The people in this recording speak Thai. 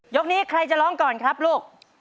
กนี้ใครจะร้องก่อนครับลูก